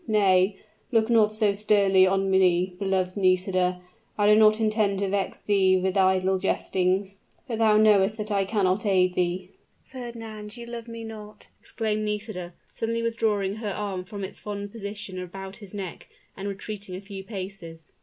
Nay, look not so sternly on me, beloved Nisida, I did not intend to vex thee with idle jestings; but thou knowest that I cannot aid thee." "Fernand, you love me not!" exclaimed Nisida, suddenly withdrawing her arm from its fond position about his neck, and retreating a few paces.